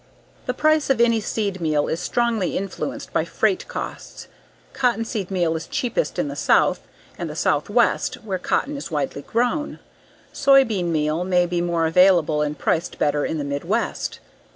The price of any seed meal is strongly influenced by freight costs. Cottonseed meal is cheapest in the south and the southwest where cotton is widely grown. Soybean meal may be more available and priced better in the midwest.